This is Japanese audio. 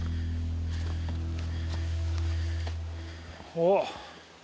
おっ。